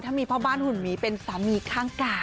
ถ้ามีพ่อบ้านหุ่นหมีเป็นสามีข้างกาย